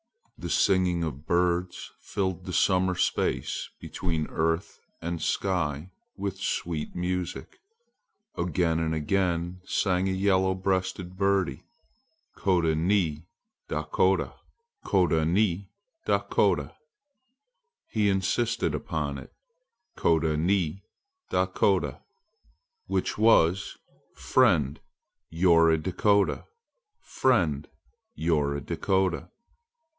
The singing of birds filled the summer space between earth and sky with sweet music. Again and again sang a yellow breasted birdie "Koda Ni Dakota!" He insisted upon it. "Koda Ni Dakota!" which was "Friend, you're a Dakota! Friend, you're a Dakota!"